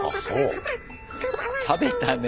食べたね。